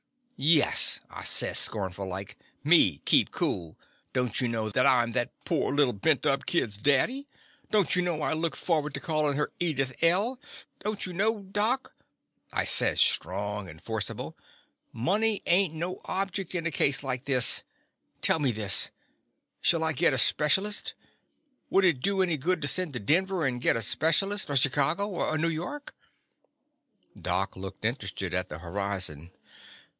"Yes," I says, scornful like. "Me keep cool ! Don't you know I 'm that The Confessions of a Daddy poor little, bent up kid's daddy? Don't you know I looked forward to callin' h^ Edith L.*? Don't you kndw —? Doc," I says, strong and forcible, "money ain't no object in a case like this. Tell me this: Shall I git a specialist*? Would it do any good to send to Denver and git a specialist, or Chicago, or New York*?" Doc looked interested at the ho rizon.